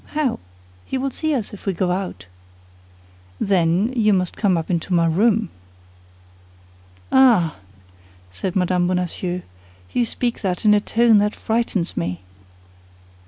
How? He will see us if we go out." "Then you must come up into my room." "Ah," said Mme. Bonacieux, "you speak that in a tone that frightens me!"